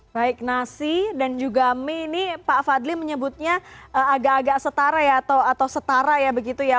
baik nasi dan juga mie ini pak fadli menyebutnya agak agak setara ya atau setara ya begitu ya